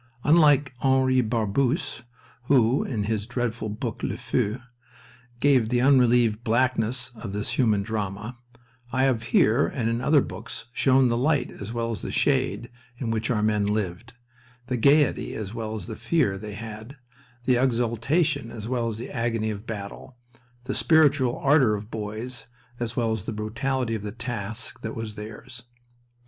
Unlike Henri Barbusse, who, in his dreadful book Le Feu, gave the unrelieved blackness of this human drama, I have here and in other books shown the light as well as the shade in which our men lived, the gaiety as well as the fear they had, the exultation as well as the agony of battle, the spiritual ardor of boys as well as the brutality of the task that was theirs.